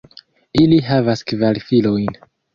Ili havas kvar filojn.